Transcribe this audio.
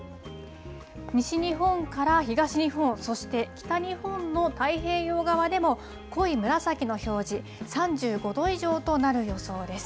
西日本から東日本、そして北日本の太平洋側でも、濃い紫の表示、３５度以上となる予想です。